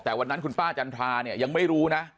แต่วันนั้นคุณป้าจันทราเนี่ยยังไม่รู้นะ